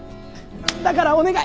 だからお願い！